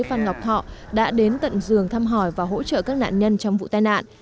phan ngọc thọ đã đến tận giường thăm hỏi và hỗ trợ các nạn nhân trong vụ tai nạn